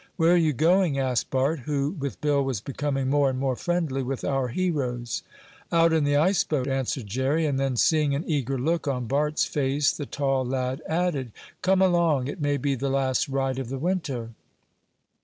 "Where are you going?" asked Bart, who, with Bill, was becoming more and more friendly with our heroes. "Out in the ice boat," answered Jerry, and then, seeing an eager look on Bart's face, the tall lad added: "Come along. It may be the last ride of the winter."